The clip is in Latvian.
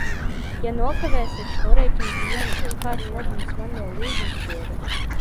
Ja nokavēs viņš norēķina dienu, Kāds labums man no līgumsoda?